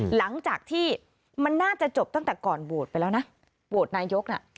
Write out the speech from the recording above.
หลังจากที่มันน่าจะจบตั้งแต่ก่อนโหวตไปแล้วนะโหวตนายกน่ะ